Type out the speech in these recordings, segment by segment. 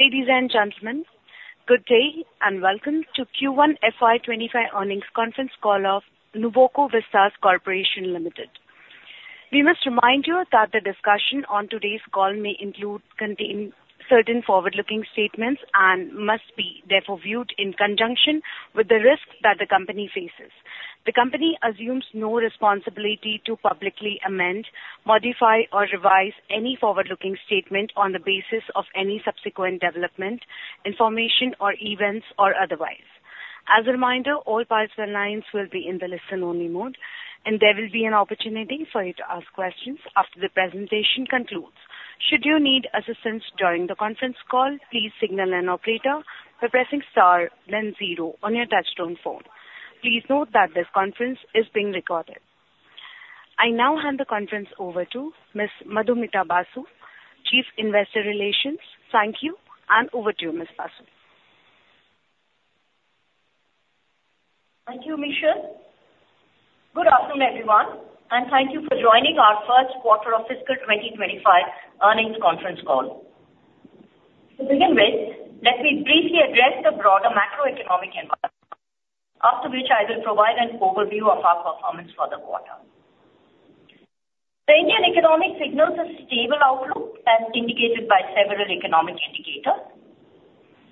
Ladies and gentlemen, good day and welcome to Q1 FY 2025 earnings conference call of Nuvoco Vistas Corporation Limited. We must remind you that the discussion on today's call may contain certain forward-looking statements and must be therefore viewed in conjunction with the risks that the company faces. The company assumes no responsibility to publicly amend, modify, or revise any forward-looking statement on the basis of any subsequent development, information, or events or otherwise. As a reminder, all participant lines will be in the listen-only mode, and there will be an opportunity for you to ask questions after the presentation concludes. Should you need assistance during the conference call, please signal an operator by pressing star then zero on your touchtone phone. Please note that this conference is being recorded. I now hand the conference over to Ms. Madhumita Basu, Chief Investor Relations. Thank you, and over to you, Ms. Basu. Thank you, Michelle. Good afternoon, everyone, and thank you for joining our first quarter of fiscal 2025 earnings conference call. To begin with, let me briefly address the broader macroeconomic environment, after which I will provide an overview of our performance for the quarter. The Indian economic signals a stable outlook as indicated by several economic indicators.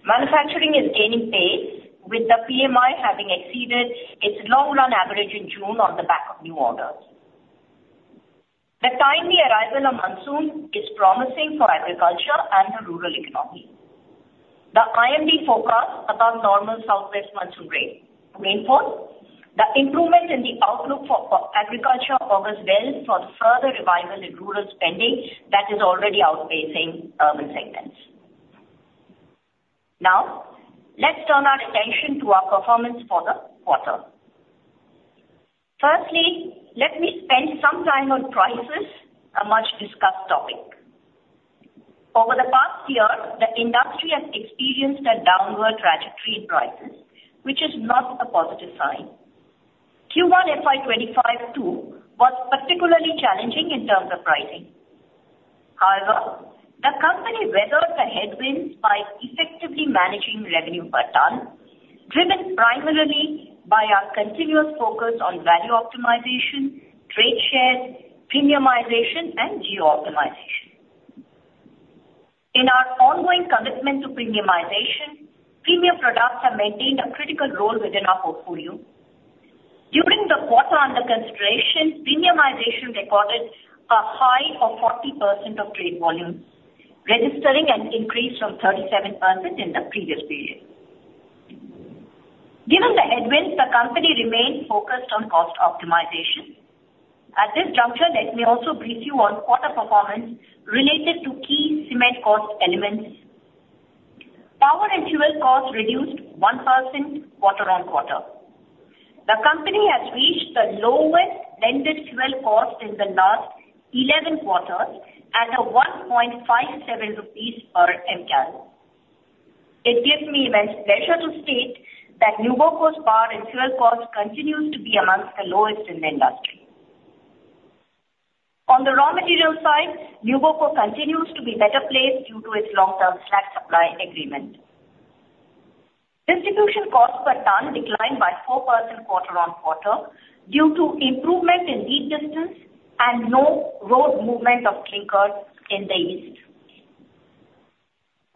Manufacturing is gaining pace, with the PMI having exceeded its long-run average in June on the back of new orders. The timely arrival of monsoon is promising for agriculture and the rural economy. The IMD forecast above normal southwest monsoon rainfall. The improvements in the outlook for agriculture augurs well for further revival in rural spending that is already outpacing urban segments. Now, let's turn our attention to our performance for the quarter. Firstly, let me spend some time on prices, a much-discussed topic. Over the past year, the industry has experienced a downward trajectory in prices, which is not a positive sign. Q1 FY 2025 too was particularly challenging in terms of pricing. However, the company weathered the headwinds by effectively managing revenue per ton, driven primarily by our continuous focus on value optimization, trade share, premiumization, and geo-optimization. In our ongoing commitment to premiumization, premium products have maintained a critical role within our portfolio. During the quarter under consideration, premiumization recorded a high of 40% of trade volumes, registering an increase from 37% in the previous period. Given the headwinds, the company remains focused on cost optimization. At this juncture, let me also brief you on quarter performance related to key cement cost elements. Power and fuel costs reduced 1% quarter-on-quarter. The company has reached the lowest blended fuel cost in the last 11 quarters at 1.57 rupees per Mcal. It gives me great pleasure to state that Nuvoco's power and fuel cost continues to be amongst the lowest in the industry. On the raw material side, Nuvoco continues to be better placed due to its long-term slag supply agreement. Distribution costs per ton declined by 4% quarter-on-quarter due to improvement in lead distance and no road movement of clinker in the East.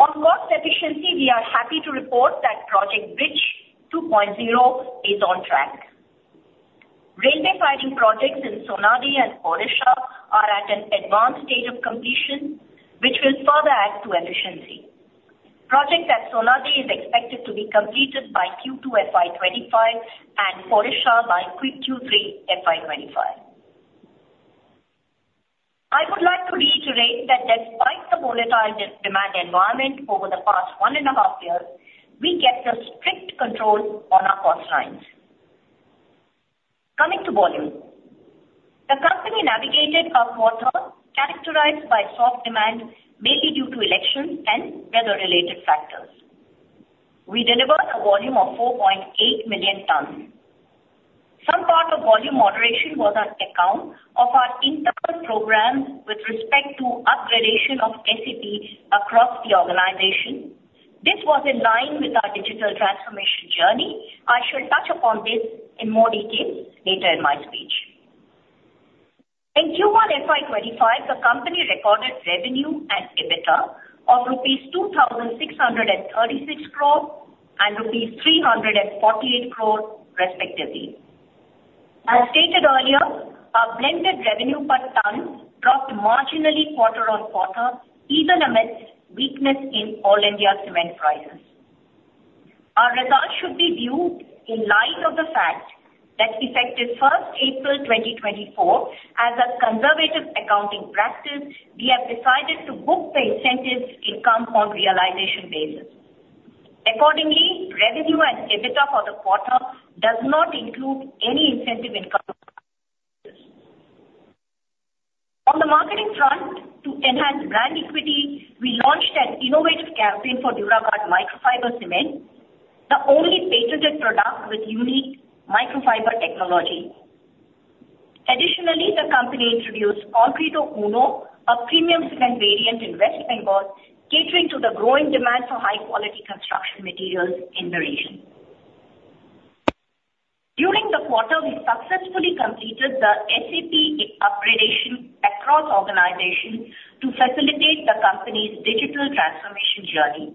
On cost efficiency, we are happy to report that Project Bridge 2.0 is on track. Railway siding projects in Sonadih and Odisha are at an advanced stage of completion, which will further add to efficiency. Project at Sonadih is expected to be completed by Q2 FY 2025 and Odisha by Q3 FY 2025. I would like to reiterate that despite the volatile demand environment over the past one and a half years, we kept a strict control on our cost lines. Coming to volume. The company navigated a quarter characterized by soft demand, mainly due to elections and weather-related factors. We delivered a volume of 4.8 million tonnes. Some part of volume moderation was on account of our internal programs with respect to up-gradation of SAP across the organization. This was in line with our digital transformation journey. I shall touch upon this in more detail later in my speech. In Q1 FY 2025, the company recorded revenue and EBITDA of INR 2,636 crores and INR 348 crores respectively. As stated earlier, our blended revenue per ton dropped marginally quarter-on-quarter, even amidst weakness in all India cement prices. Our results should be viewed in light of the fact that effective first April 2024, as a conservative accounting practice, we have decided to book the incentive income on realization basis. Accordingly, revenue and EBITDA for the quarter does not include any incentive income. On the marketing front, to enhance brand equity, we launched an innovative campaign for Duraguard Micro Fiber Cement, the only patented product with unique micro fiber technology. The company introduced Concreto Uno, a premium cement variant in West Bengal, catering to the growing demand for high-quality construction materials in the region. During the quarter, we successfully completed the SAP up-gradation across organizations to facilitate the company's digital transformation journey.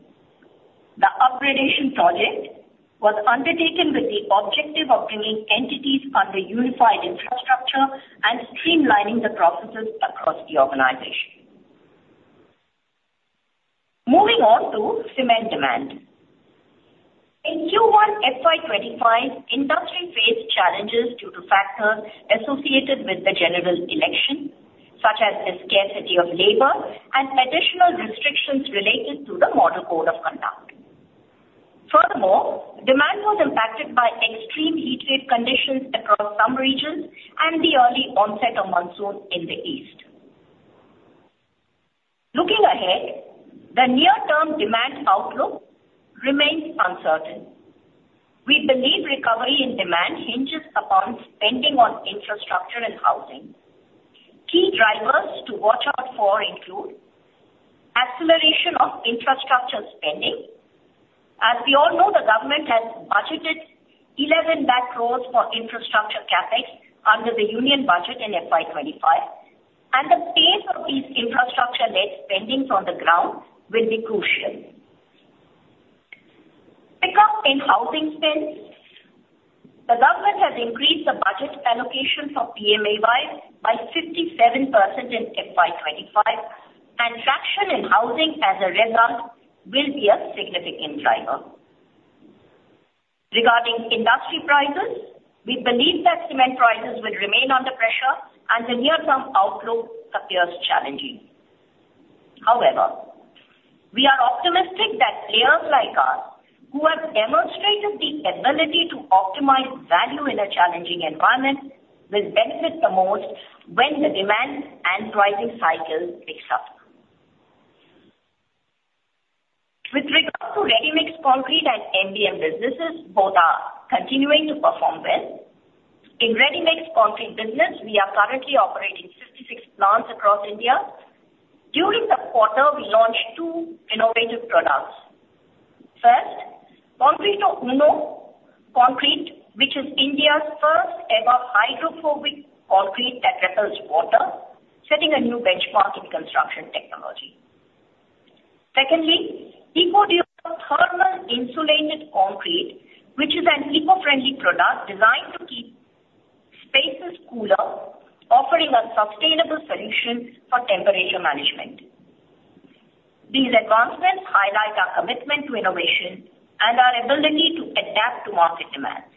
The up-gradation project was undertaken with the objective of bringing entities under unified infrastructure and streamlining the processes across the organization. Moving on to cement demand. In Q1 FY 2025, industry faced challenges due to factors associated with the general election, such as the scarcity of labor and additional restrictions related to the Model Code of Conduct. Furthermore, demand was impacted by extreme heat wave conditions across some regions and the early onset of monsoon in the east. Looking ahead, the near-term demand outlook remains uncertain. We believe recovery in demand hinges upon spending on infrastructure and housing. Key drivers to watch out for include acceleration of infrastructure spending. As we all know, the government has budgeted 11 lakh crores for infrastructure CapEx under the Union Budget in FY 2025, and the pace of these infrastructure-led spendings on the ground will be crucial. Pick up in housing spends. The government has increased the budget allocation for PMAY by 57% in FY 2025, and traction in housing as a result will be a significant driver. Regarding industry prices, we believe that cement prices will remain under pressure and the near-term outlook appears challenging. However, we are optimistic that players like us who have demonstrated the ability to optimize value in a challenging environment will benefit the most when the demand and pricing cycle picks up. With regard to ready-mix concrete and MBM businesses, both are continuing to perform well. In ready-mix concrete business, we are currently operating 56 plants across India. During the quarter, we launched two innovative products. First, Concreto Uno - Hydrophobic Concrete, which is India's first ever hydrophobic concrete that repels water, setting a new benchmark in construction technology. Secondly, EcoDeo thermal insulated concrete, which is an eco-friendly product designed to keep spaces cooler, offering a sustainable solution for temperature management. These advancements highlight our commitment to innovation and our ability to adapt to market demands.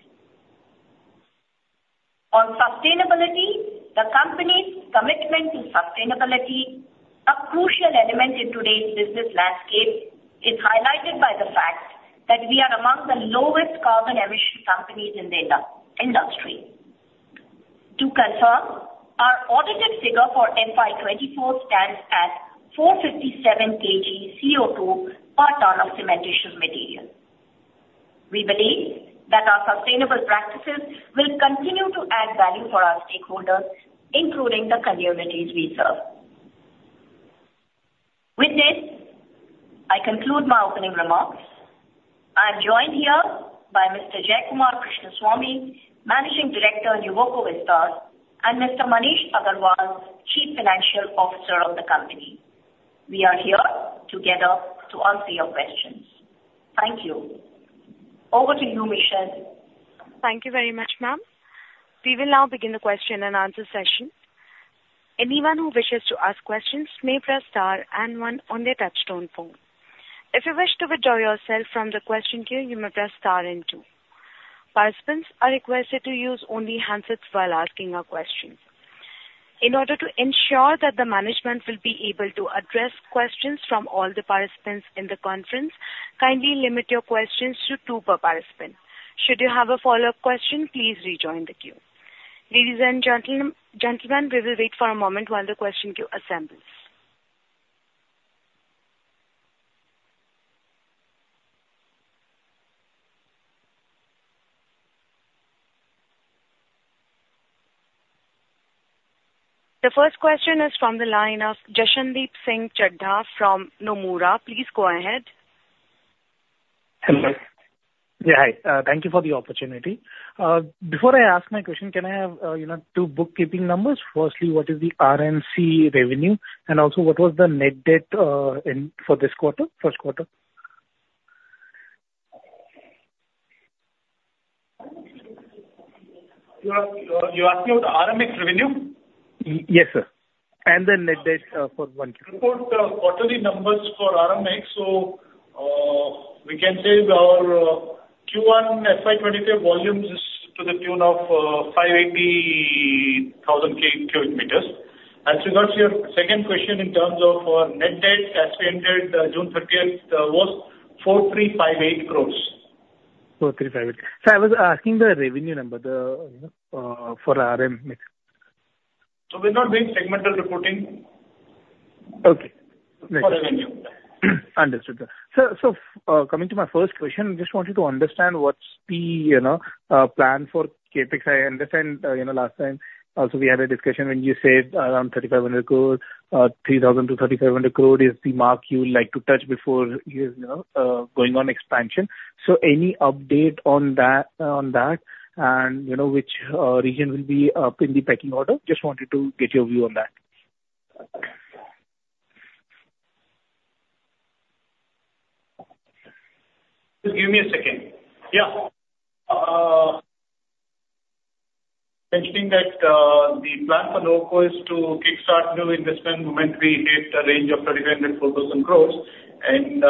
On sustainability, the company's commitment to sustainability, a crucial element in today's business landscape, is highlighted by the fact that we are among the lowest carbon emission companies in the industry. To confirm, our audited figure for FY 2024 stands at 457kg CO2 per ton of cementitious material. We believe that our sustainable practices will continue to add value for our stakeholders, including the communities we serve. With this, I conclude my opening remarks. I am joined here by Mr. Jayakumar Krishnaswamy, Managing Director, Nuvoco Vistas, and Mr. Maneesh Agrawal, Chief Financial Officer of the company. We are here together to answer your questions. Thank you. Over to you, Michelle. Thank you very much, ma'am. We will now begin the question and answer session. Anyone who wishes to ask questions may press star and one on their touchtone phone. If you wish to withdraw yourself from the question queue, you may press star and two. Participants are requested to use only handsets while asking a question. In order to ensure that the management will be able to address questions from all the participants in the conference, kindly limit your questions to two per participant. Should you have a follow-up question, please rejoin the queue. Ladies and gentlemen, we will wait for a moment while the question queue assembles. The first question is from the line of Jashandeep Singh Chadha from Nomura. Please go ahead. Hello. Yeah, hi. Thank you for the opportunity. Before I ask my question, can I have two bookkeeping numbers? Firstly, what is the RMC revenue and also what was the net debt for this quarter, first quarter? You are asking about RMX revenue? Yes, sir. The net debt for one quarter. Report quarterly numbers for RMX. We can say our Q1 FY 2025 volumes is to the tune of 580,000 cubic meters. Regards to your second question in terms of our net debt as at June 30th was 4,358 crore. 4,358 crore. Sir, I was asking the revenue number for RMX. We're not doing segmental reporting. Okay. For revenue. Understood, sir. Coming to my first question, just want you to understand what's the plan for CapEx. I understand last time also we had a discussion when you said around 3,500 crore, 3,000 crore-3,500 crore is the mark you would like to touch before going on expansion. Any update on that? Which region will be up in the pecking order? Just wanted to get your view on that. Just give me a second. Mentioning that the plan for Nuvoco is to kick-start new investment moment we hit a range of 3,500 crore, and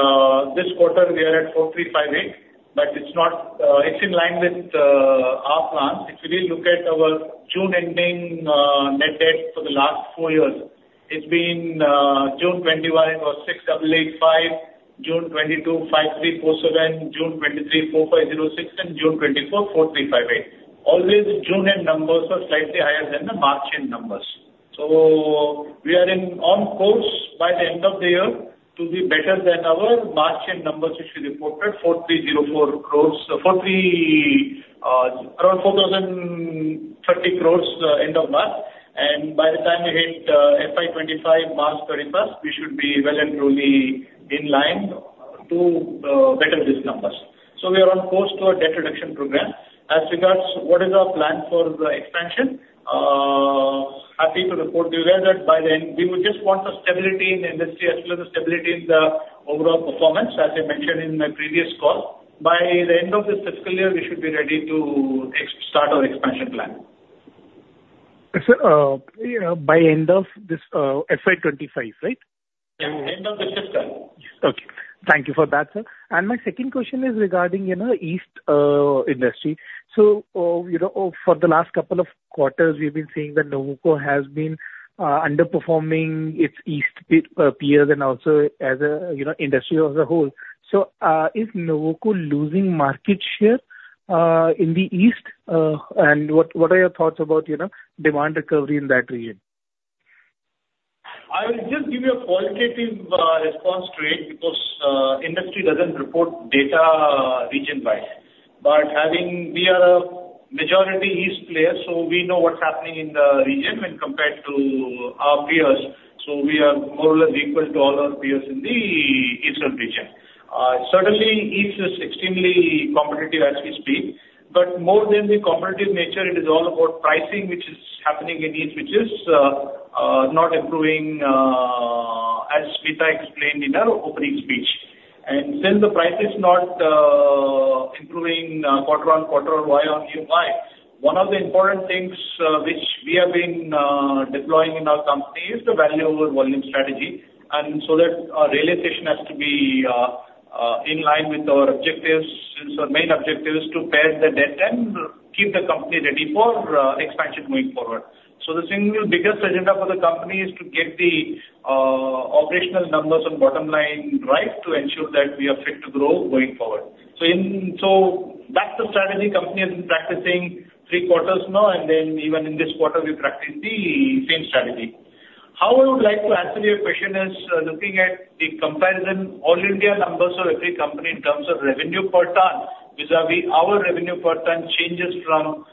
this quarter we are at 4,358. It's in line with our plans. If you look at our June ending net debt for the last four years, it's been June 2021 it was 6,885, June 2022, 5,347, June 2023, 4,506, and June 2024, 4,358. Always the June end numbers are slightly higher than the March end numbers. We are on course by the end of the year to be better than our March end numbers which we reported around INR 4,030 crore end of March. By the time we hit FY 2025 March 31, we should be well and truly in line to better these numbers. We are on course to our debt reduction program. As regards what is our plan for the expansion, happy to report to you that by the end, we would just want the stability in the industry as well as the stability in the overall performance. As I mentioned in my previous call, by the end of this fiscal year, we should be ready to start our expansion plan. Sir, by end of this FY 2025, right? End of this fiscal. Okay. Thank you for that, sir. My second question is regarding East industry. For the last couple of quarters, we've been seeing that Nuvoco has been underperforming its East peers and also as an industry as a whole. Is Nuvoco losing market share in the East? What are your thoughts about demand recovery in that region? I will just give you a qualitative response to it because industry doesn't report data region-wise. We are a majority East player, so we know what's happening in the region when compared to our peers. We are more or less equal to all our peers in the Eastern region. Certainly, East is extremely competitive as we speak, but more than the competitive nature, it is all about pricing which is happening in East, which is not improving as Smita explained in her opening speech. Since the price is not improving quarter-on-quarter or YOY, one of the important things which we have been deploying in our company is the value over volume strategy. So that our realization has to be in line with our objectives since our main objective is to pare the debt and keep the company ready for expansion going forward. The single biggest agenda for the company is to get the operational numbers on bottom line right to ensure that we are fit to grow going forward. That's the strategy company has been practicing three quarters now, and even in this quarter, we practice the same strategy. How I would like to answer your question is looking at the comparison all India numbers of every company in terms of revenue per ton vis-a-vis our revenue per ton changes from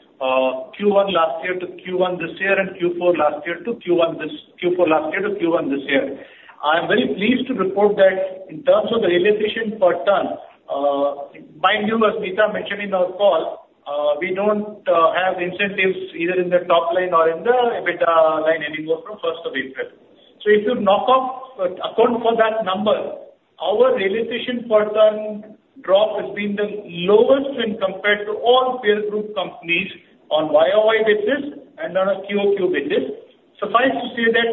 Q1 last year to Q1 this year and Q4 last year to Q1 this year. I am very pleased to report that in terms of the realization per ton, mind you, as Smita mentioned in our call, we don't have incentives either in the top line or in the EBITDA line anymore from 1st of April. If you account for that number, our realization per ton drop has been the lowest when compared to all peer group companies on year-over-year basis and on a quarter-over-quarter basis. Suffice to say that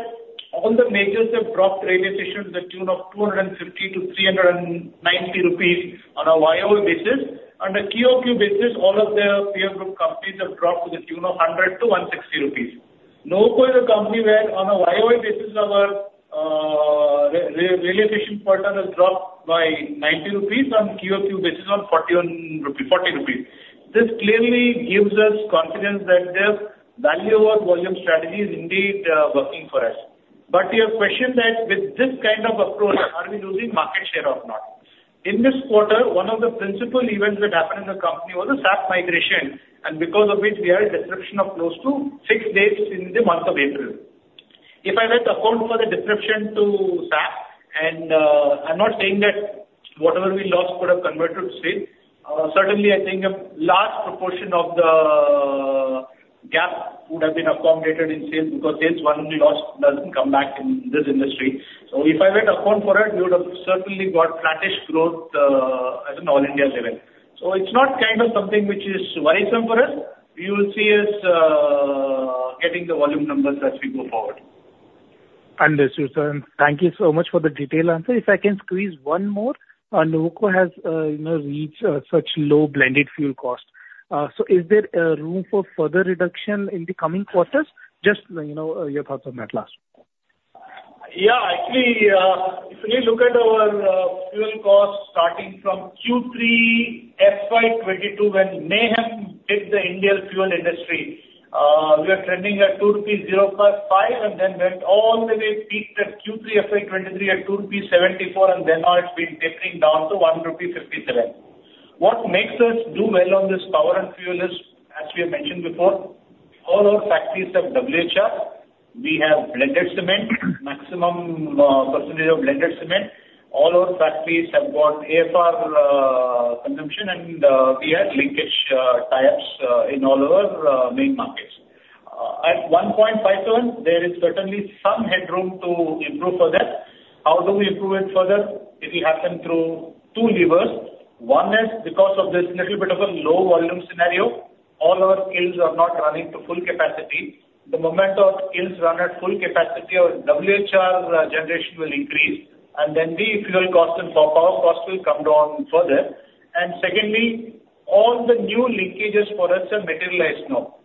all the majors have dropped realization to the tune of 250-390 rupees on a year-over-year basis. On a quarter-over-quarter basis, all of their peer group companies have dropped to the tune of 100-160 rupees. Nuvoco is a company where on a year-over-year basis our realization per ton has dropped by 90 rupees, on quarter-over-quarter basis on 40 rupees. This clearly gives us confidence that the value over volume strategy is indeed working for us. Your question that with this kind of approach, are we losing market share or not? In this quarter, one of the principal events that happened in the company was the SAP migration, and because of it, we had disruption of close to six days in the month of April. If I were to account for the disruption to SAP, and I'm not saying that whatever we lost could have converted to sale. Certainly, I think a large proportion of the gap would have been accommodated in sales because sales one lost doesn't come back in this industry. If I were to account for it, we would have certainly got flattish growth at an all-India level. It's not something which is worrisome for us. You will see us getting the volume numbers as we move forward. Understood, sir. Thank you so much for the detailed answer. If I can squeeze one more. Nuvoco has reached such low blended fuel cost. Is there room for further reduction in the coming quarters? Just your thoughts on that last. Yeah. Actually, if you look at our fuel cost starting from Q3 FY 2022 when mayhem hit the Indian fuel industry, we are trending at 2.05 rupees and then went all the way peaked at Q3 FY 2023 at 2.74 rupees, and then now it's been tapering down to 1.57 rupees. What makes us do well on this power and fuel is, as we have mentioned before, all our factories have WHR. We have maximum percentage of blended cement. All our factories have got AFR consumption, and we have linkage tie-ups in all our main markets. At 1.57, there is certainly some headroom to improve further. How do we improve it further? It will happen through two levers. One is because of this little bit of a low volume scenario, all our kilns are not running to full capacity. The moment our kilns run at full capacity, our WHR generation will increase, and then the fuel cost and power cost will come down further. Secondly, all the new linkages for us are materialized now.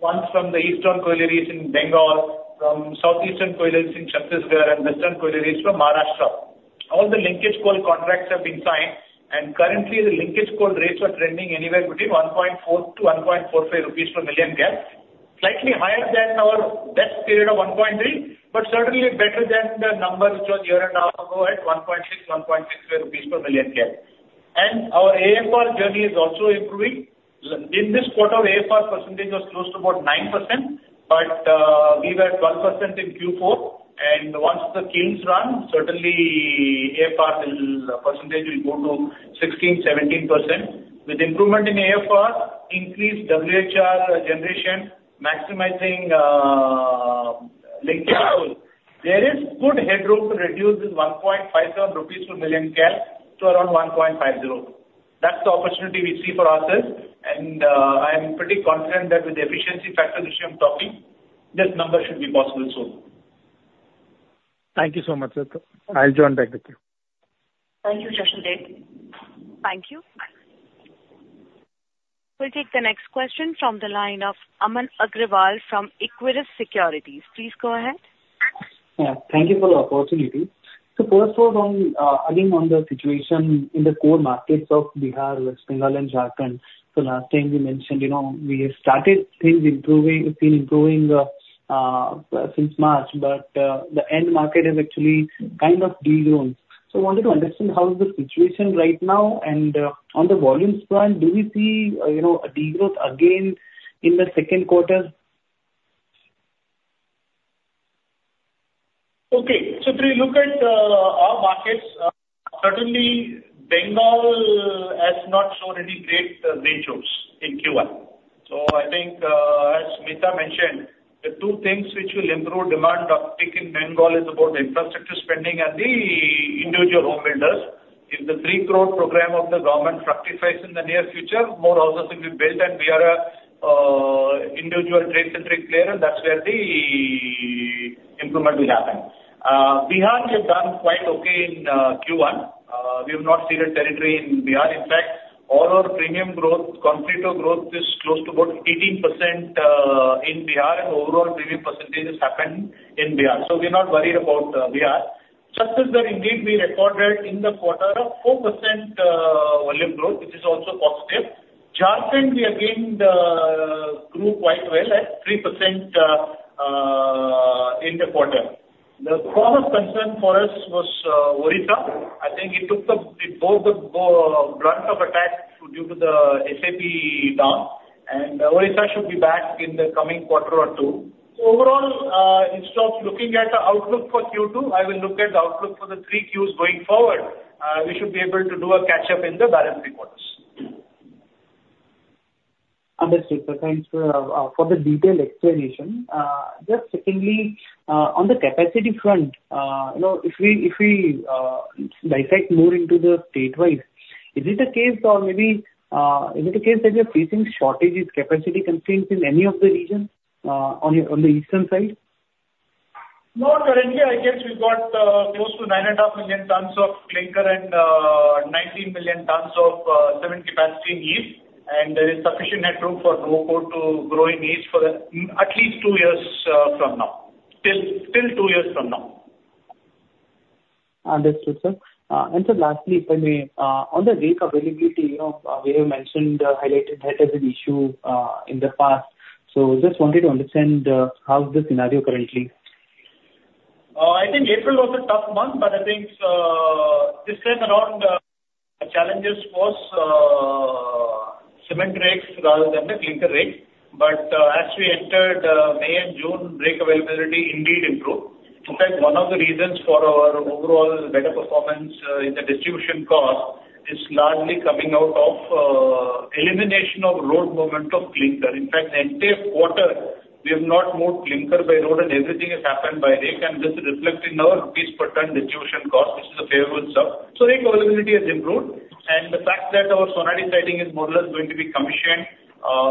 One from the Eastern collieries in Bengal, from South Eastern collieries in Chhattisgarh, and Western collieries from Maharashtra. All the linkage coal contracts have been signed, and currently the linkage coal rates are trending anywhere between 1.4 to 1.45 rupees per Mcal. Slightly higher than our best period of 1.3, but certainly better than the number which was year and a half ago at 1.6, 1.65 rupees per Mcal. Our AFR journey is also improving. In this quarter, AFR percentage was close to about 9%, but we were 12% in Q4, and once the kilns run, certainly AFR percentage will go to 16%-17%. With improvement in AFR, increased WHR generation, maximizing linkage coal, there is good headroom to reduce this 1.57 rupees per Mcal to around 1.50. That's the opportunity we see for ourselves, and I am pretty confident that with the efficiency factor which I'm talking, this number should be possible soon. Thank you so much, sir. I'll join back with you. Thank you, Jashandeep. Thank you. We will take the next question from the line of Aman Agrawal from Equirus Securities. Please go ahead. Yeah, thank you for the opportunity. First of all, again, on the situation in the core markets of Bihar, West Bengal, and Jharkhand. Last time you mentioned, we have started, things have been improving since March, but the end market has actually kind of degrown. Wanted to understand how is the situation right now, and on the volumes front, do we see a degrowth again in the second quarter? Okay. If we look at our markets, certainly Bengal has not shown any great ventures in Q1. I think, as Smita mentioned, the two things which will improve demand uptake in Bengal is about infrastructure spending and the individual home builders. If the 3 crore program of the government fructifies in the near future, more houses will be built and we are individual trade-centric player, and that's where the improvement will happen. Bihar, we have done quite okay in Q1. We have not ceded territory in Bihar. In fact, all our premium growth, concrete growth is close to about 18% in Bihar and overall premium percentage is happening in Bihar. We are not worried about Bihar. Chhattisgarh indeed we recorded in the quarter a 4% volume growth, which is also positive. Jharkhand, we again grew quite well at 3% in the quarter. The foremost concern for us was Orissa. I think it bore the brunt of attack due to the SAP down, and Orissa should be back in the coming quarter or two. Overall, instead of looking at the outlook for Q2, I will look at the outlook for the three Qs going forward. We should be able to do a catch-up in the balance three quarters. Understood, sir. Thanks for the detailed explanation. Secondly, on the capacity front, if we dissect more into the statewise, is it a case that you're facing shortages, capacity constraints in any of the regions on the eastern side? No, currently, I guess we've got close to nine and a half million tons of clinker and 19 million tons of cement capacity in East, there is sufficient headroom for Nuvoco to grow in East for at least two years from now. Till two years from now. Understood, sir. Sir, lastly, if I may, on the rake availability, we have mentioned, highlighted that as an issue in the past. Just wanted to understand how is the scenario currently. I think April was a tough month, I think this time around the challenges was cement rakes rather than the clinker rakes. As we entered May and June, rake availability indeed improved. In fact, one of the reasons for our overall better performance in the distribution cost is largely coming out of elimination of road movement of clinker. In fact, the entire quarter, we have not moved clinker by road and everything has happened by rake, and this reflects in our INR per ton distribution cost, which is a favorable sub. Rake availability has improved, and the fact that our Sonadih siding is more or less going to be commissioned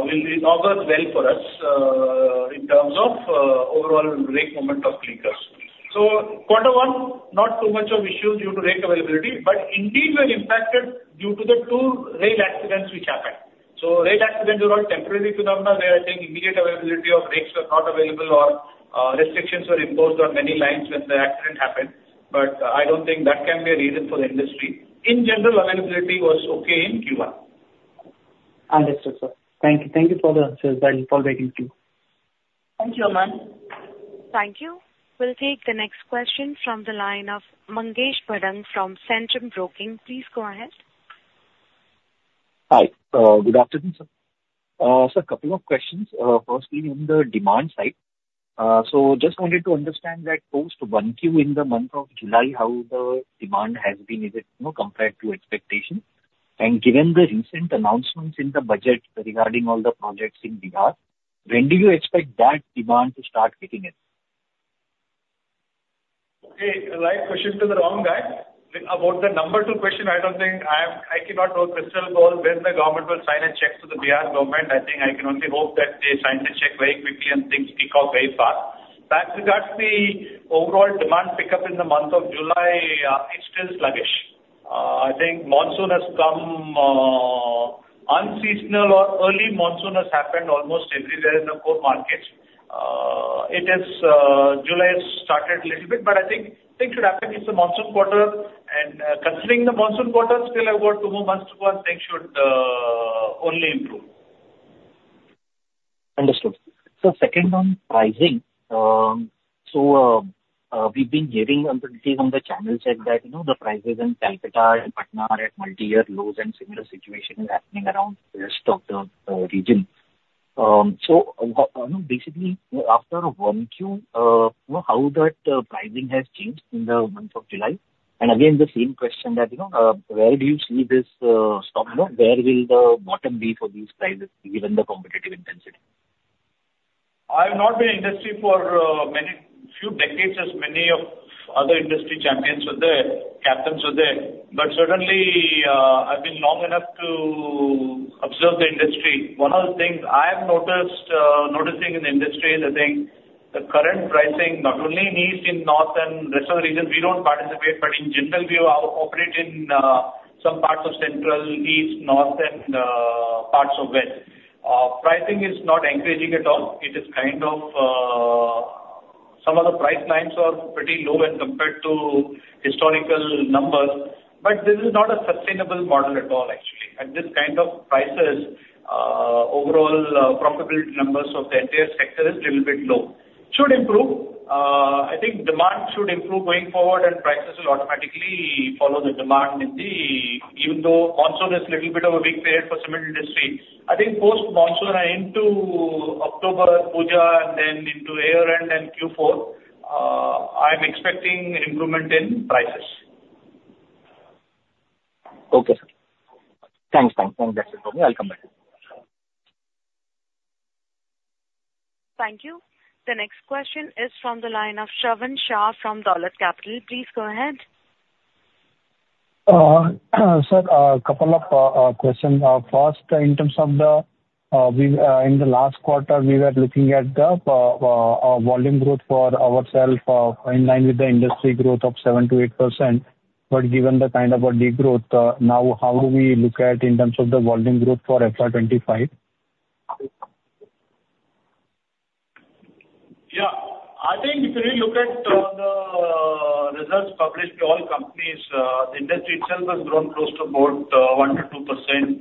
will augur well for us in terms of overall rake movement of clinkers. Quarter one, not too much of issues due to rake availability, but indeed we're impacted due to the two rail accidents which happened. Rake accidents are all temporary phenomena where I think immediate availability of rakes were not available or restrictions were imposed on many lines when the accident happened. I don't think that can be a reason for the industry. In general, availability was okay in Q1. Understood, sir. Thank you for the answers. Thank you for waiting too. Thank you, Aman. Thank you. We'll take the next question from the line of Mangesh Bhadang from Centrum Broking. Please go ahead. Hi. Good afternoon, sir. Sir, couple of questions. Firstly, on the demand side. Just wanted to understand that post 1Q in the month of July, how the demand has been, compared to expectations, and given the recent announcements in the budget regarding all the projects in Bihar, when do you expect that demand to start hitting it? Okay, the right question to the number 2 guy. About the number 2 question, I cannot throw a crystal ball when the government will sign a check to the Bihar government. I can only hope that they sign the check very quickly and things kick off very fast. That regards the overall demand pickup in the month of July. It's still sluggish. Monsoon has come. Unseasonal or early monsoon has happened almost everywhere in the core markets. July started a little bit, things should happen. It's a monsoon quarter, considering the monsoon quarter, still I've got two more months to go and things should only improve. Understood. Sir, second on pricing. We've been hearing on the channel side that the prices in Kolkata and Patna are at multi-year lows and a similar situation is happening around the rest of the region. Basically, after 1Q, how that pricing has changed in the month of July? Again, the same question that, where do you see this stopping? Where will the bottom be for these prices given the competitive intensity? I've not been in the industry for a few decades, as many of other industry champions were there, captains were there, certainly, I've been long enough to observe the industry. One of the things I'm noticing in the industry is, the current pricing, not only in east, in north and rest of the regions we don't participate, in general, we operate in some parts of central, east, north, and parts of west. Pricing is not encouraging at all. Some of the price lines are pretty low when compared to historical numbers, this is not a sustainable model at all actually. At this kind of prices, overall profitability numbers of the entire sector is little bit low. Should improve. Demand should improve going forward, prices will automatically follow the demand, even though monsoon is little bit of a big player for cement industry. I think post-monsoon and into October, Puja, and then into year-end and Q4, I'm expecting improvement in prices. Okay, sir. Thanks. That's it from me. I'll come back. Thank you. The next question is from the line of Shravan Shah from Dolat Capital. Please go ahead. Sir, couple of questions. First, in the last quarter, we were looking at the volume growth for ourselves in line with the industry growth of 7%-8%. Given the kind of a degrowth, now how do we look at in terms of the volume growth for FY 2025? I think if you look at the results published by all companies, the industry itself has grown close to about 1% to 2%.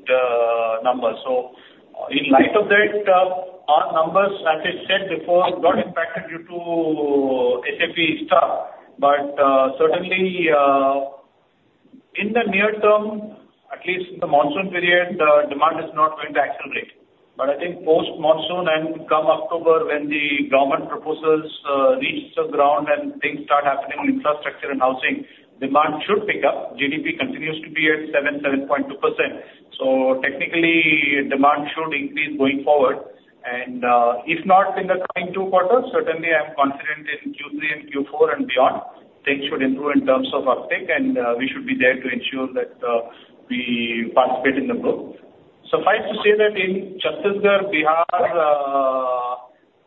In light of that, our numbers, as I said before, got impacted due to SAP stuff. Certainly, in the near term, at least in the monsoon period, demand is not going to accelerate. I think post-monsoon and come October when the government proposals reach the ground and things start happening on infrastructure and housing, demand should pick up. GDP continues to be at 7%-7.2%. Technically, demand should increase going forward. If not in the coming two quarters, certainly I'm confident in Q3 and Q4 and beyond, things should improve in terms of uptick, and we should be there to ensure that we participate in the growth. Suffice to say that in Chhattisgarh, Bihar,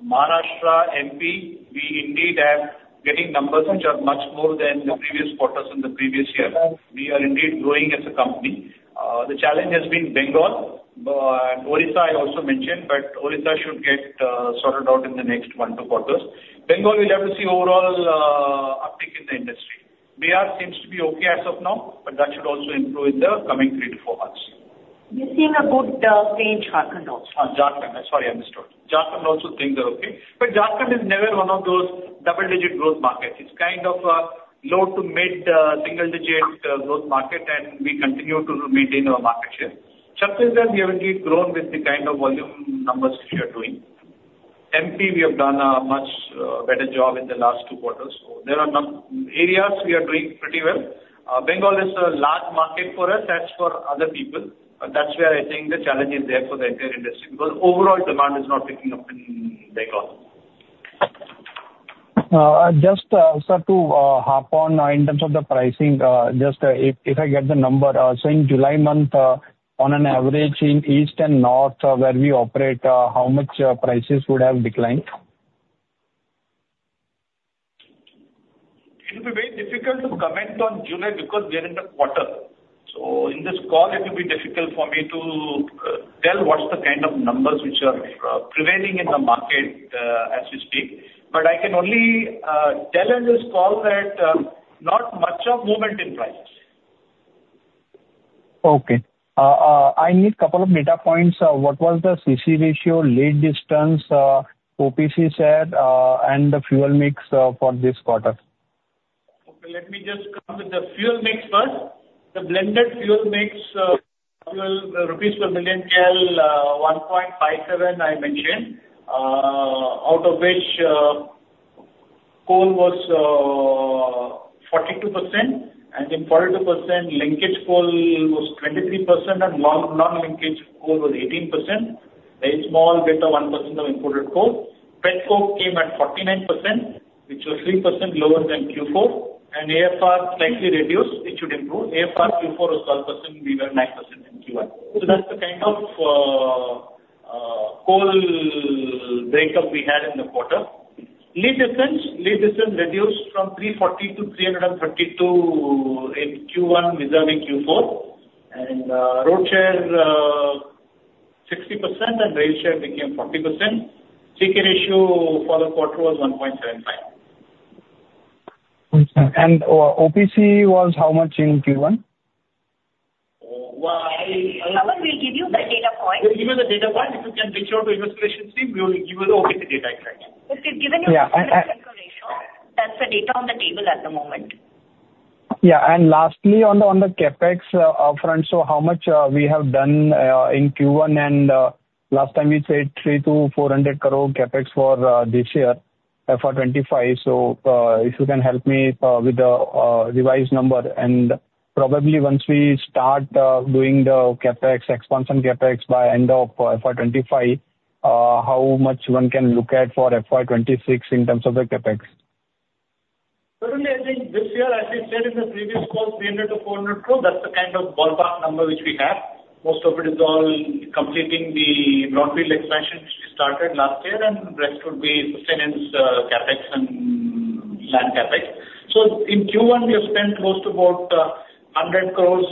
Maharashtra, MP, we indeed are getting numbers which are much more than the previous quarters in the previous year. We are indeed growing as a company. The challenge has been Bengal and Orissa, I also mentioned, but Orissa should get sorted out in the next one, two quarters. Bengal, we'll have to see overall uptick in the industry. Bihar seems to be okay as of now, that should also improve in the coming three to four months. We're seeing a good change, Jharkhand also. Jharkhand. Sorry, I misunderstood. Jharkhand also things are okay. Jharkhand is never one of those double-digit growth markets. It's kind of a low to mid-single-digit growth market, and we continue to maintain our market share. Chhattisgarh, we have indeed grown with the kind of volume numbers which we are doing. MP, we have done a much better job in the last two quarters. There are areas we are doing pretty well. Bengal is a large market for us, that's for other people. That's where I think the challenge is there for the entire industry, because overall demand is not picking up in Bengal. Sir, to hop on in terms of the pricing, if I get the number. In July month, on an average in East and North where we operate, how much prices would have declined? It will be very difficult to comment on July because we are in the quarter. In this call, it will be difficult for me to tell what's the kind of numbers which are prevailing in the market as we speak. I can only tell in this call that not much of movement in prices. Okay. I need a couple of data points. What was the CC ratio, lead distance, OPC share, and the fuel mix for this quarter? Okay. Let me come to the fuel mix first. The blended fuel mix, 1.57 per Mcal, I mentioned. Out of which, coal was 42%, and in 42%, linkage coal was 23% and non-linkage coal was 18%. A very small bit, 1%, of imported coal. petcoke came at 49%, which was 3% lower than Q4, and AFR slightly reduced, which would improve. AFR Q4 was 12%, we were 9% in Q1. That's the kind of coal breakup we had in the quarter. Lead distance. Lead distance reduced from 340 to 332 in Q1 vis-a-vis Q4, and road share 60% and rail share became 40%. clinker-to-cement ratio for the quarter was 1.75. OPC was how much in Q1? Well, Shravan, we'll give you the data point. We'll give you the data point. If you can reach out to the investor relations team, we will give you the OPC data exactly. We've given you- Yeah clinker-to-cement ratio. That's the data on the table at the moment. Yeah. Lastly, on the CapEx front, how much we have done in Q1? Last time you said 3 crore-400 crore CapEx for this year, FY 2025. If you can help me with the revised number. Probably once we start doing the expansion CapEx by end of FY 2025, how much one can look at for FY 2026 in terms of the CapEx? Certainly, I think this year, as we said in the previous call, 300 crore-400 crore, that's the kind of ballpark number which we have. Most of it is all completing the brownfield expansion which we started last year, and the rest would be sustenance CapEx and land CapEx. In Q1, we have spent close to about 100 crore,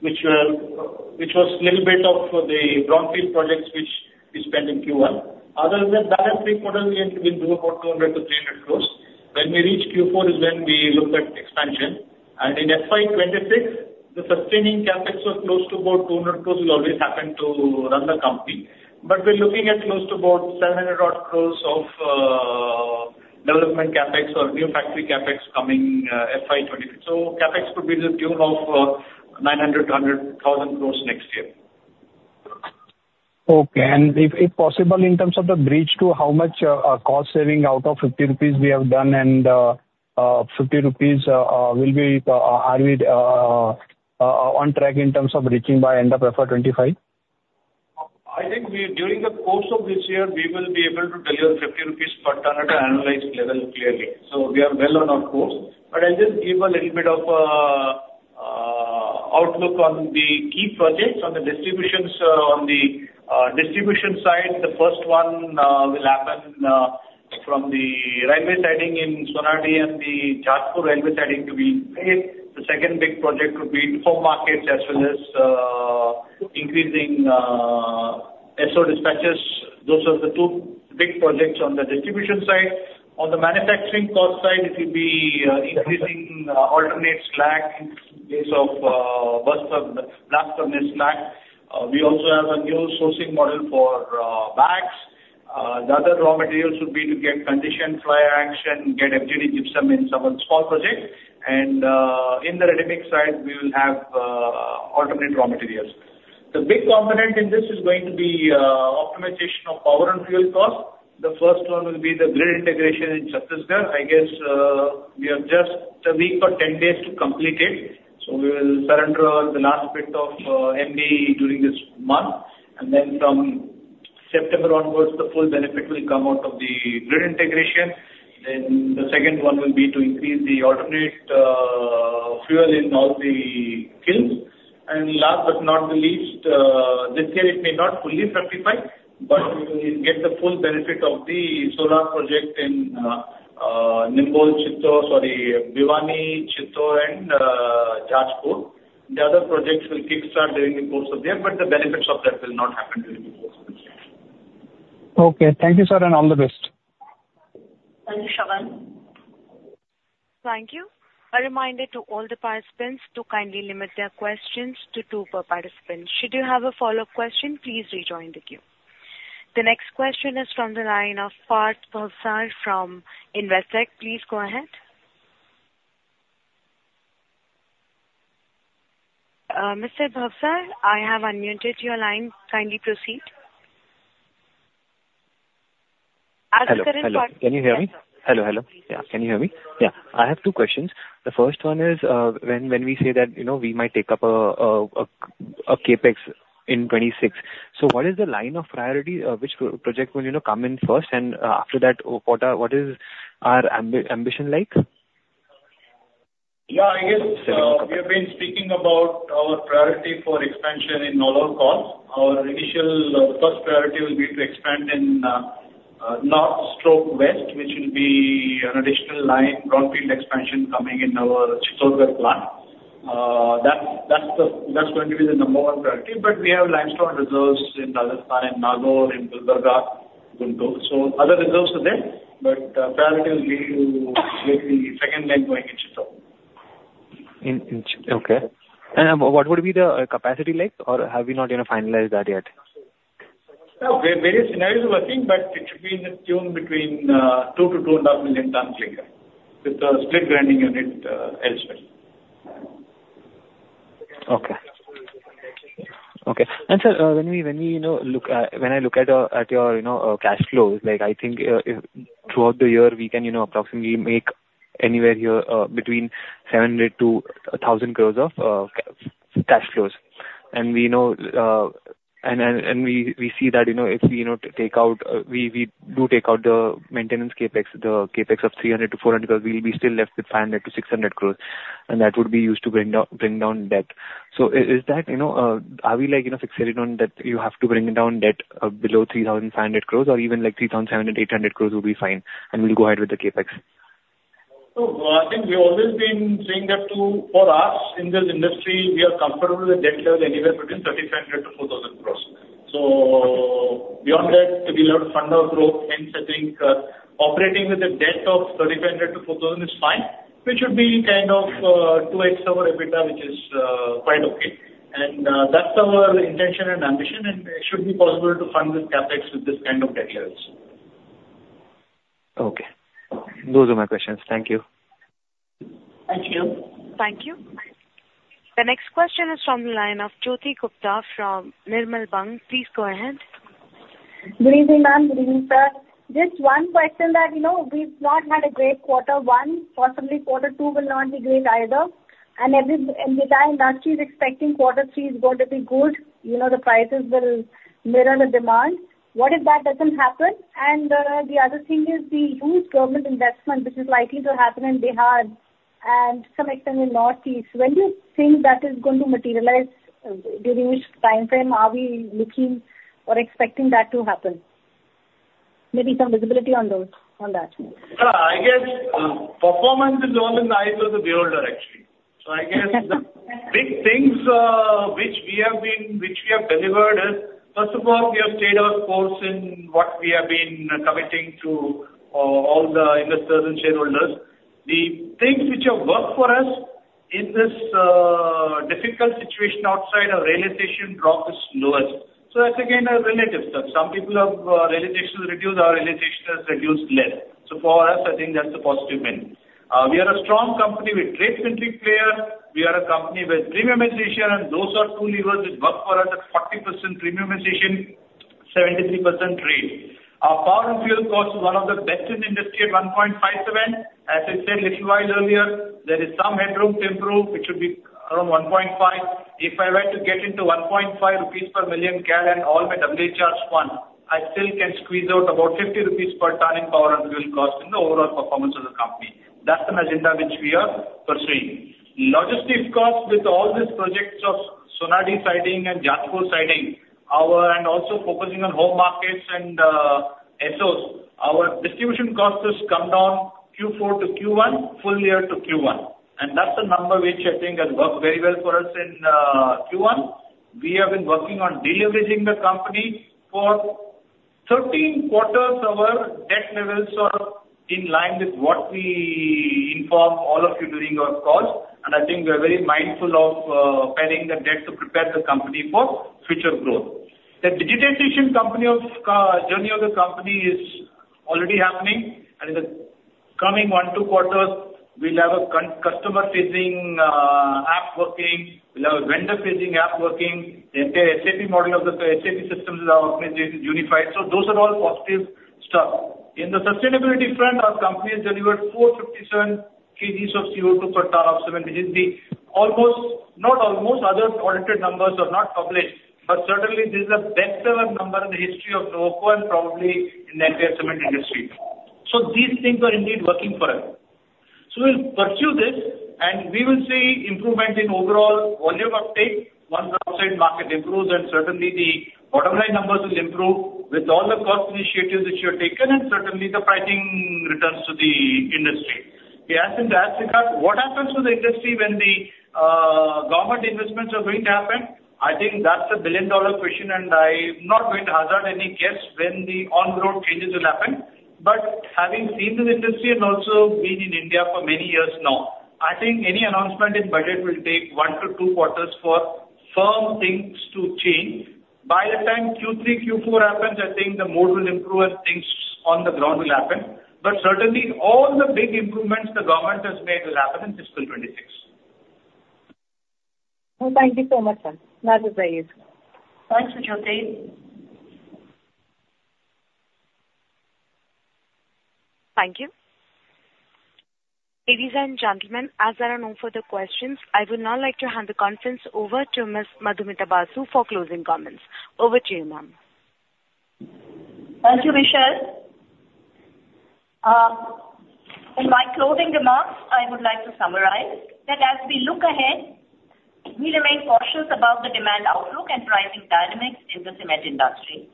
which was little bit of the brownfield projects which we spent in Q1. Other than that, every quarter we'll do about 200 crore-300 crore. When we reach Q4 is when we look at expansion. In FY 2026, the sustaining CapEx was close to about 200 crore will always happen to run the company. We're looking at close to about 700 odd crore of development CapEx or new factory CapEx coming FY 2026. CapEx could be to the tune of 900 crore-1,000 crore next year. Okay. If possible, in terms of the bridge to how much cost saving out of 50 rupees we have done, 50 rupees, are we on track in terms of reaching by end of FY 2025? I think during the course of this year, we will be able to deliver 50 rupees per ton at an analyzed level, clearly. We are well on our course. I'll just give a little bit of outlook on the key projects on the distribution side. The first one will happen from the railway siding in Sonadih and the Jajpur railway siding to be made. The second big project would be home markets, as well as increasing SO dispatches. Those are the two big projects on the distribution side. On the manufacturing cost side, it will be increasing alternate slag in case of blast furnace slag. We also have a new sourcing model for bags. The other raw materials would be to get conditioned fly ash and get FGD gypsum in some small project. In the ready mix side, we will have alternate raw materials. The big component in this is going to be optimization of power and fuel cost. The first one will be the grid integration in Chhattisgarh. I guess we have just a week or 10 days to complete it. We will surrender the last bit of MoEF during this month, from September onwards, the full benefit will come out of the grid integration. The second one will be to increase the alternate fuel in all the kilns. Last but not the least, this year it may not fully simplify, but we will get the full benefit of the solar project in Bhiwani, Chittoor, and Jajpur. The other projects will kickstart during the course of year, but the benefits of that will not happen during the course of this year. Okay. Thank you, sir, all the best. Thank you, Shravan. Thank you. A reminder to all the participants to kindly limit their questions to two per participant. Should you have a follow-up question, please rejoin the queue. The next question is from the line of Parth Bhavsar from Investec. Please go ahead. Mr. Bhavsar, I have unmuted your line. Kindly proceed. Hello. Can you hear me? Yes, sir. Hello. Yeah. Can you hear me? Yeah. I have two questions. The first one is, when we say that we might take up a CapEx in 2026, what is the line of priority? Which project will come in first? After that, what is our ambition like? Speaking about our priority for expansion in overall cost, our initial first priority will be to expand in north/west, which will be an additional line, brownfield expansion coming in our Chittorgarh plant. That is going to be the number one priority. We have limestone reserves in Rajasthan, in Nagaur, in Dholpur. Other reserves are there, priority will be to make the second line going in Chittor. In Chittor. Okay. What would be the capacity like or have we not finalized that yet? No, various scenarios we are seeing, it should be in the tune between 2 to 2.5 million tons a year, with the split grinding unit elsewhere. Okay. Sir, when I look at your cash flows, I think throughout the year we can approximately make anywhere between 700-1,000 crores of cash flows. We see that if we do take out the maintenance CapEx, the CapEx of 300-400 crores, we'll be still left with 500-600 crores, and that would be used to bring down debt. Are we fixated on that you have to bring down debt below 3,500 crores or even 3,700-3,800 crores will be fine, and we'll go ahead with the CapEx? I think we've always been saying that for us in this industry, we are comfortable with debt level anywhere between 3,500-4,000 crores. Beyond that, we'll have to fund our growth. Hence, I think operating with a debt of 3,500-4,000 crores is fine, which should be 2x our EBITDA, which is quite okay. That's our intention and ambition, and it should be possible to fund this CapEx with this kind of debt levels. Okay. Those are my questions. Thank you. Thank you. Thank you. The next question is from the line of Jyoti Gupta from Nirmal Bang. Please go ahead. Good evening, ma'am. Good evening, sir. Just one question that, we've not had a great quarter one, possibly quarter two will not be great either. The entire industry is expecting quarter three is going to be good. The prices will mirror the demand. What if that doesn't happen? The other thing is the huge government investment which is likely to happen in Bihar and to some extent in North East. When do you think that is going to materialize? During which time frame are we looking or expecting that to happen? Maybe some visibility on that. I guess performance is all in the eyes of the beholder, actually. I guess the big things which we have delivered is, first of all, we have stayed our course in what we have been committing to all the investors and shareholders. The things which have worked for us in this difficult situation outside of realization drop is lowest. That's again a relative stuff. Some people have realization reduced, our realization has reduced less. For us, I think that's a positive win. We are a strong company. We're a trade-centric player. We are a company with premiumization, and those are two levers which work for us at 40% premiumization, 73% trade. Our power and fuel cost is one of the best in industry at 1.57. As I said little while earlier, there is some headroom to improve, which should be around 1.5. If I were to get into 1.5 rupees per Mcal and all my WHR, I still can squeeze out about 50 rupees per ton in power and fuel cost in the overall performance of the company. That's the agenda which we are pursuing. Logistics cost with all these projects of Sonadih siding and Jajpur siding, also focusing on home markets and SOs. Our distribution cost has come down Q4 to Q1, full year to Q1. That's the number which I think has worked very well for us in Q1. We have been working on deleveraging the company. For 13 quarters our debt levels are in line with what we informed all of you during our calls, I think we're very mindful of paring the debt to prepare the company for future growth. The digitization journey of the company is already happening. In the coming one, two quarters, we'll have a customer-facing app working. We'll have a vendor-facing app working. The SAP systems are unified. Those are all positive stuff. In the sustainability front, our company has delivered 457 kgs of CO2 per ton of cement. Other audited numbers are not published, but certainly this is the best ever number in the history of Nuvoco and probably in the entire cement industry. These things are indeed working for us. We'll pursue this and we will see improvement in overall volume uptake. Once outside market improves, then certainly the bottom line numbers will improve with all the cost initiatives which we have taken, and certainly the pricing returns to the industry. You asked in that regard what happens to the industry when the government investments are going to happen. I think that's the billion-dollar question. I'm not going to hazard any guess when the on-ground changes will happen. Having seen this industry and also been in India for many years now, I think any announcement in budget will take one to two quarters for firm things to change. By the time Q3, Q4 happens, I think the mood will improve and things on the ground will happen. Certainly all the big improvements the government has made will happen in fiscal 2026. Thank you so much, sir. Nice to hear you, sir. Thanks, Jyoti. Thank you. Ladies and gentlemen, as there are no further questions, I would now like to hand the conference over to Ms. Madhumita Basu for closing comments. Over to you, ma'am. Thank you, Vishal. In my closing remarks, I would like to summarize that as we look ahead, we remain cautious about the demand outlook and pricing dynamics in the cement industry.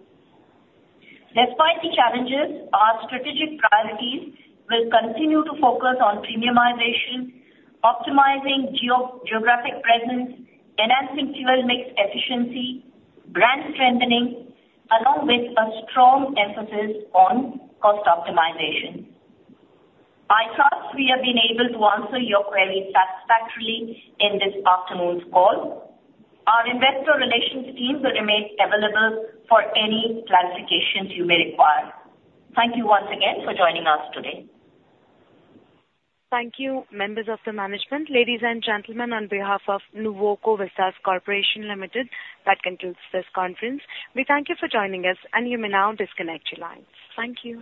Despite the challenges, our strategic priorities will continue to focus on premiumization, optimizing geographic presence, enhancing fuel mix efficiency, brand strengthening, along with a strong emphasis on cost optimization. I trust we have been able to answer your queries satisfactorily in this afternoon's call. Our investor relations team will remain available for any clarifications you may require. Thank you once again for joining us today. Thank you, members of the management. Ladies and gentlemen, on behalf of Nuvoco Vistas Corporation Limited, that concludes this conference. We thank you for joining us and you may now disconnect your lines. Thank you.